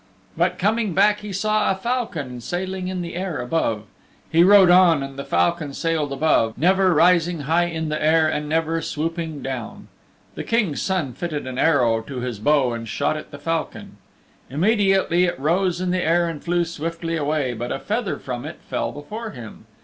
But coming back he saw a falcon sailing in the air above. He rode on and the falcon sailed above, never rising high in the air, and never swooping down. The King's Son fitted an arrow to his bow and shot at the falcon. Immediately it rose in the air and flew swiftly away, but a feather from it fell before him.